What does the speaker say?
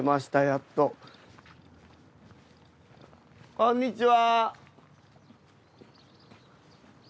こんにちは。